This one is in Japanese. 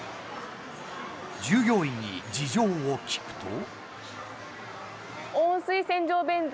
従業員に事情を聴くと。